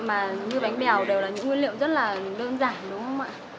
mà như bánh bèo đều là những nguyên liệu rất là đơn giản đúng không ạ